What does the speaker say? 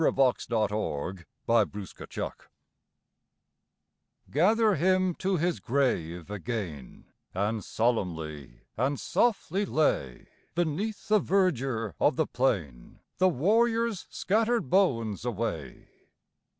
By William Cullen Bryant Gather him to his grave again, And solemnly and softly lay, Beneath the verdure of the plain, The warrior's scattered bones away.